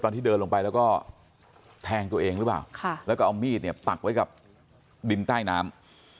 ที่เดินลงไปแล้วก็แทงตัวเองหรือเปล่าแล้วก็เอามีดเนี่ยปักไว้กับดินใต้น้ำ